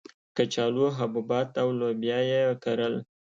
کچالو، حبوبات او لوبیا یې کرل.